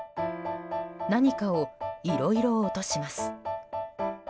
何かをいろいろ落とします。